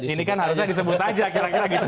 ini kan harusnya disebut aja kira kira gitu